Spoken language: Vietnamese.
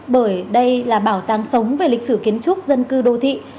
bởi đây là bảo tàng sống về lịch sử kiến trúc dân cư đô thị